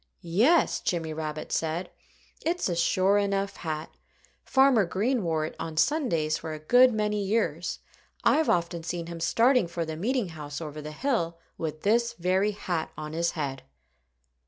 "Yes!" Jimmy Rabbit said. "It's a sure enough hat. Farmer Green wore it on Sundays for a good many years. I've often seen him starting for the meeting house over the hill with this very hat on his head."